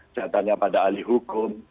saya tanya pada ahli hukum